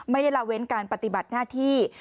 ไม่ได้ลาเว้นการปฏิบัติหน้าที่